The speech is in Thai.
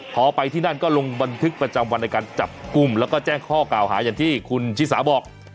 พอไปที่นั่นก็ลงบันทึกประจำวันในการจับกลุ่มแล้วก็แจ้งข้อกล่าวหาอย่างที่คุณชิสาบอก